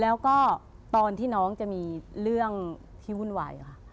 แล้วก็ตอนที่น้องจะมีเรื่องที่วุ่นวายค่ะ